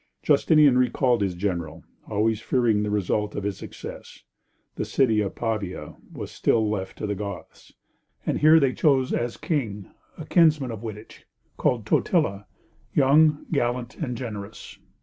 Justinian recalled his general, always fearing the result of his success. The city of Pavia was still left to the Goths, and here they chose as king, a kinsman of Wittich, called Totila, young, gallant, and generous.